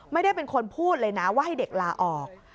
ไม่ได้เป็นคนพูดเลยนะว่าให้เด็กลาออก